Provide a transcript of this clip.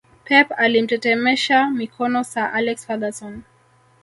Pep alimtetemesha mikono Sir Alex Ferguson